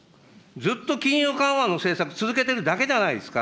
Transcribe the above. ずっと金融緩和の政策続けてるだけじゃないですか。